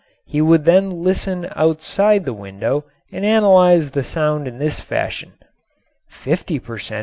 He would then listen outside the window and analyze the sound in this fashion: "Fifty per cent.